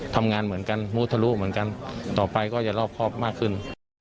ทำงานเหมือนกันมูทะลุเหมือนกันต่อไปก็จะรอบครอบมากขึ้น